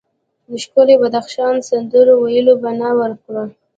ښکلي بدخشان سندرو ویلو بنا وکړه.